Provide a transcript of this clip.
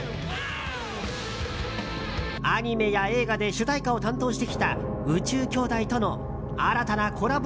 アニメや映画で主題歌を担当してきた「宇宙兄弟」との新たなコラボ